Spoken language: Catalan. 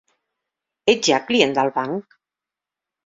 Ets ja client del banc?